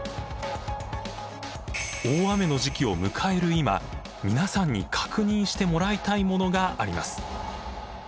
大雨の時期を迎える今皆さんに確認してもらいたいものがあります。